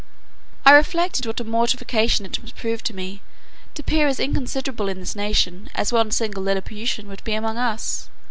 I reflected what a mortification it must prove to me, to appear as inconsiderable in this nation, as one single Lilliputian would be among us.